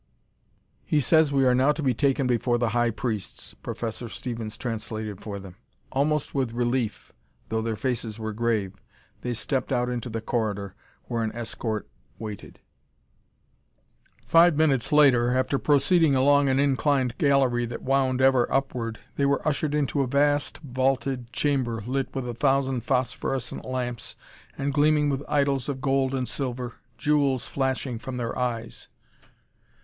"He says we are now to be taken before the high priests," Professor Stevens translated for them. Almost with relief, though their faces were grave, they stepped out into the corridor, where an escort waited. Five minutes later, after proceeding along an inclined gallery that wound ever upward, they were ushered into a vast vaulted chamber lit with a thousand phosphorescent lamps and gleaming with idols of gold and silver, jewels flashing from their eyes.